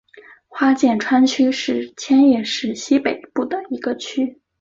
花见川区是千叶市西北部的一个区。